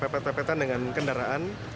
pepet pepetan dengan kendaraan